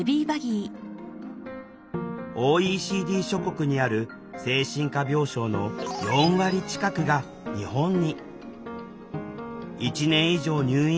ＯＥＣＤ諸国にある精神科病床の４割近くが日本に。